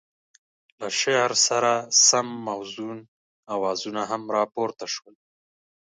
له شعر سره سم موزون اوازونه هم را پورته شول.